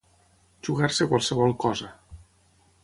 Jugar-se qualsevol cosa.